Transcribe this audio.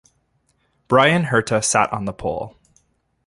Bryan Herta sat on the pole.